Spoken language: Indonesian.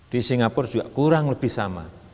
di singapura juga kurang lebih sama